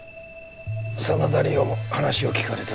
真田梨央も話を聴かれて